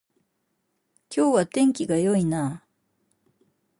今日は天気が良いなあ